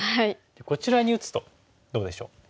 こちらに打つとどうでしょう？